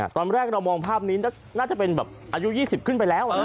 ตอนแรกเรามองภาพนี้น่าจะเป็นแบบอายุ๒๐ขึ้นไปแล้ว